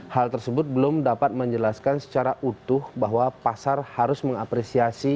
hal tersebut belum dapat menjelaskan secara utuh bahwa pasar harus mengapresiasi